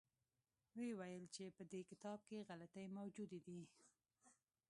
ویې ویل چې په دې کتاب کې غلطۍ موجودې دي.